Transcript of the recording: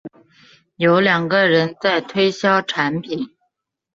有两个人在推销产品